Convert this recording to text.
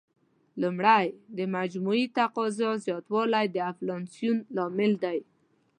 لومړی: د مجموعي تقاضا زیاتوالی د انفلاسیون لامل دی.